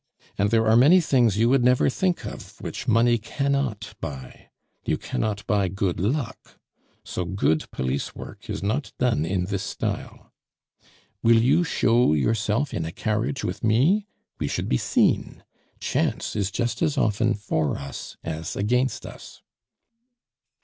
And there are many things you would never think of which money cannot buy. You cannot buy good luck. So good police work is not done in this style. Will you show yourself in a carriage with me? We should be seen. Chance is just as often for us as against us."